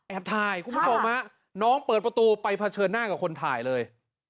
ถ่ายคุณผู้ชมฮะน้องเปิดประตูไปเผชิญหน้ากับคนถ่ายเลย